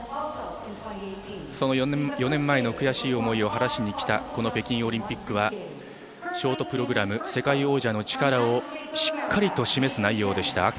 その４年前の悔しい思いを晴らしにきたこの北京オリンピックはショートプログラム世界王者の力をしっかりと示す内容でした。